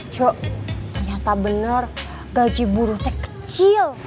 cuk ternyata benar gaji buruhnya kecil